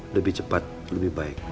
lebih cepat lebih baik